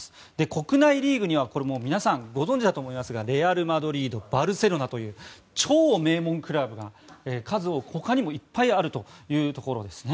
国内リーグには皆さん、ご存じだと思いますがレアル・マドリードバルセロナという超名門クラブが数多く他にもいっぱいあるというところです。